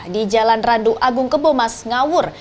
di jalan randu agung kebomas ngawur